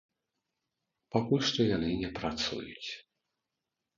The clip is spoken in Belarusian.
Пакуль што яны не працуюць.